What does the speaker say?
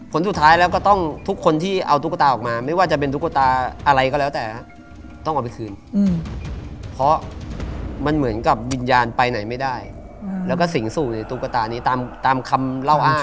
ผลสุดท้ายแล้วก็ต้องทุกคนที่เอาตุ๊กตาออกมาไม่ว่าจะเป็นตุ๊กตาอะไรก็แล้วแต่ต้องเอาไปคืนเพราะมันเหมือนกับวิญญาณไปไหนไม่ได้แล้วก็สิ่งสู้ในตุ๊กตานี้ตามคำเล่าอ้าง